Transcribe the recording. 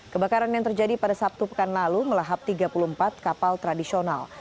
kebakaran yang terjadi pada sabtu pekan lalu melahap tiga puluh empat kapal tradisional